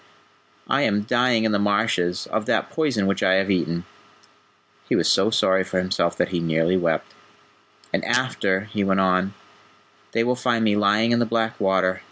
I am dying in the marshes, of that poison which I have eaten." He was so sorry for himself that he nearly wept. "And after," he went on, "they will find me lying in the black water.